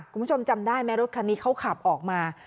คุณผู้ชมจำได้ไหมรถคันนี้เขาขับออกมา